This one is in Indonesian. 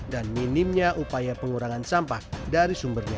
dan minimnya upaya pengurangan sampah dari sumbernya